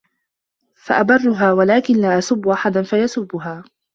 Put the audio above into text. فَأَبَرُّهَا ، وَلَكِنْ لَا أَسُبُّ أَحَدًا فَيَسُبُّهَا